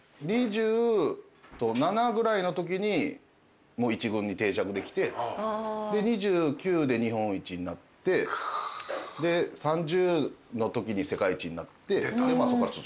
２０と７ぐらいのときに１軍に定着できてで２９で日本一になってで３０のときに世界一になってでまあそっから。